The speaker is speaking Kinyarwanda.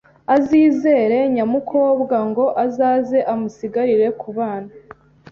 azizere nyamukobwa ngo azaze amusigarire ku bana.